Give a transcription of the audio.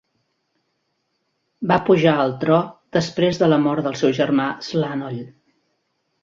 Va pujar al tro després de la mort del seu germà Slánoll.